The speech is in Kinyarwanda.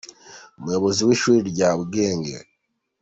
Umuyobozi w’ishuri rya bwenge.